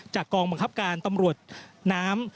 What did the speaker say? กองบังคับการตำรวจน้ำ